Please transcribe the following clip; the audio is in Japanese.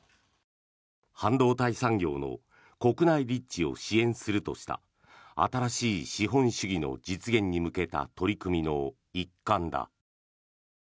半導体産業の国内立地を支援するとした新しい資本主義の実現に向けた取り組みの一環だ。